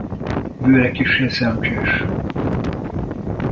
Bőre kissé szemcsés.